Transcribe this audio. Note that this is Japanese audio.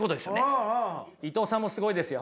伊藤さんもすごいですよ。